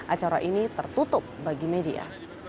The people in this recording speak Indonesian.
acara ini tertutup bagi media